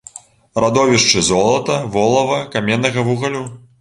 Радовішчы золата, волава, каменнага вугалю.